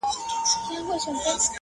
د یارانې مثال د تېغ دی-